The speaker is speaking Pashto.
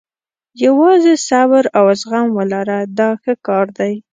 یوازې صبر او زغم ولره دا ښه کار دی.